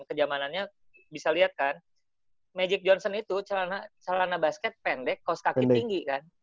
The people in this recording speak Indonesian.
kejamanannya bisa lihat kan magic johnson itu celana basket pendek cost kaki tinggi kan